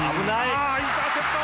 ああインターセプト。